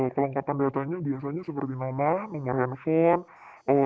kelengkapan datanya biasanya seperti nama nomor handphone